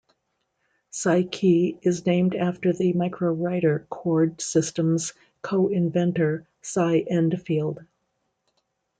CyKey is named after the Microwriter chord system's co-inventor Cy Endfield.